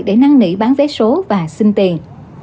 để năng nỉ bán vé số và xin tiền